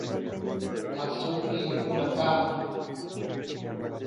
Kazuki Murakami